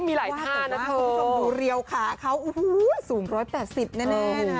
มีหลายท่านนะเถอะว่าแต่ว่าคุณผู้ชมดูเรียวขาเขาสูง๑๘๐แน่นะฮะ